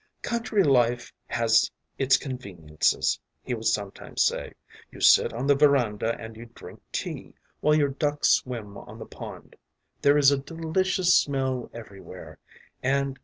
“‘Country life has its conveniences,’ he would sometimes say. ‘You sit on the verandah and you drink tea, while your ducks swim on the pond, there is a delicious smell everywhere, and...